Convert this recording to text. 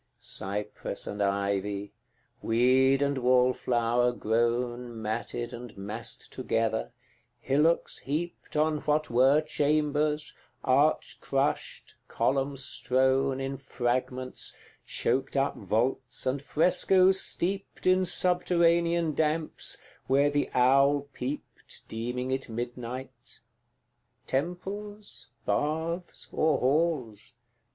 CVII. Cypress and ivy, weed and wallflower grown Matted and massed together, hillocks heaped On what were chambers, arch crushed, column strown In fragments, choked up vaults, and frescoes steeped In subterranean damps, where the owl peeped, Deeming it midnight: Temples, baths, or halls?